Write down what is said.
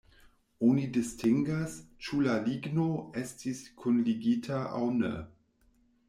Oni distingas, ĉu la ligno estis kunligita aŭ ne.